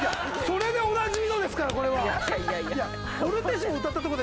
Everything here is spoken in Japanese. それでおなじみのですからこれは。